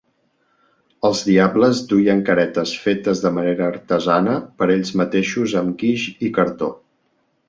Els diables duien caretes fetes de manera artesana per ells mateixos amb guix i cartó.